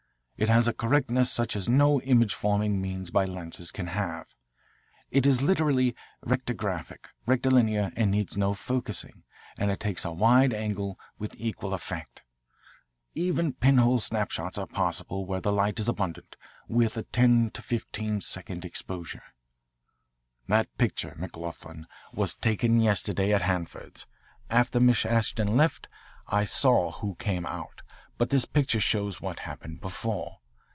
It has a correctness such as no image forming means by lenses can have. It is literally rectigraphic, rectilinear, it needs no focussing, and it takes a wide angle with equal effect. Even pinhole snapshots are possible where the light is abundant, with a ten to fifteen second exposure. "That picture, McLoughlin, was taken yesterday at Hanford's. After Miss Ashton left I saw who came out, but this picture shows what happened before.